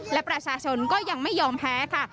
และประชาชนก็ยังไม่ยอมแพ้ค่ะ